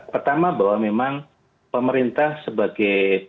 pertama bahwa memang pemerintah sebagai